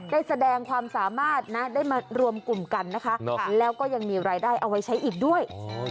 ได้แสดงความสามารถนะได้มารวมกลุ่มกันนะคะแล้วก็ยังมีรายได้เอาไว้ใช้อีกด้วย